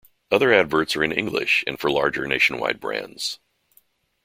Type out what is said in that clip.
Other adverts are in English and for larger nationwide brands.